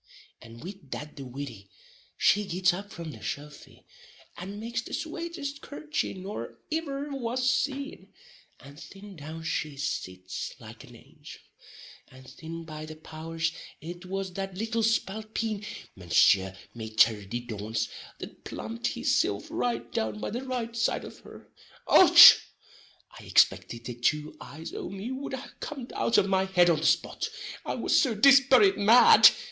And wid that the widdy, she gits up from the sofy, and makes the swatest curthchy nor iver was seen; and thin down she sits like an angel; and thin, by the powers, it was that little spalpeen Mounseer Maiter di dauns that plumped his silf right down by the right side of her. Och hon! I ixpicted the two eyes o' me wud ha cum'd out of my head on the spot, I was so dispirate mad!